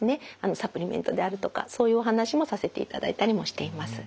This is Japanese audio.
サプリメントであるとかそういうお話もさせていただいたりもしています。